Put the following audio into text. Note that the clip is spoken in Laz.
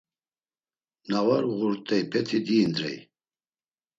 Na var uğurt̆eypeti diindrey.